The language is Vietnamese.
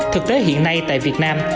thực tế hiện nay tại việt nam